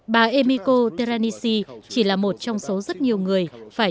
bà emiko teranishi chỉ là một trong số rất nhiều người